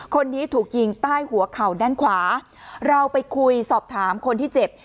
คนนี้ถูกยิงใต้หัวเข่าด้านขวาเราไปคุยสอบถามคนที่เจ็บ